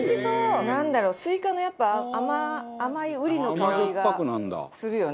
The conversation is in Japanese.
なんだろうスイカのやっぱ甘いうりの香りがするよね。